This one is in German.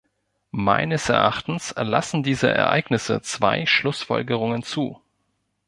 Meines Erachtens lassen diese Ereignisse zwei Schlussfolgerungen zu.